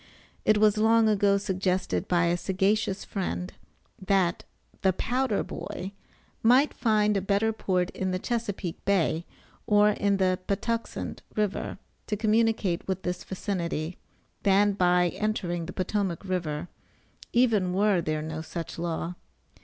It was long ago suggested by a sagacious friend, that the "powder boy" might find a better port in the Chesapeake bay, or in the Patuxent river to communicate with this vicinity, than by entering the Potomac river, even were there no such law.